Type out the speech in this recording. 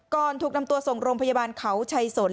ถูกนำตัวส่งโรงพยาบาลเขาชัยสน